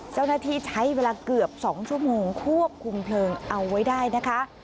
เจ้าหน้าที่ใช้เวลาเกือบ๒ชั่วโมงควบคุมเพลิงเอาไว้ได้นะคะ